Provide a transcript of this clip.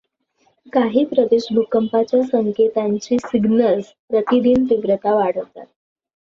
काही प्रदेश भूकंपाच्या संकेतांची सिग्नल्स प्रतिदिन तीव्रता वाढवतात.